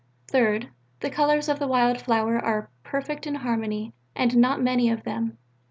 Third: the colours of the wild flower are perfect in harmony, and not many of them.